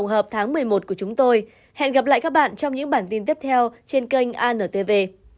hẹn gặp lại các bạn trong những bản tin tiếp theo trên kênh antv